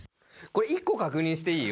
これ、一個確認していい？